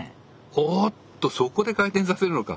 おっとそこで回転させるのか。